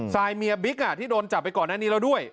ซายเมียบิ๊กที่โดนจับไปก่อนหน้านี้แล้วด้วย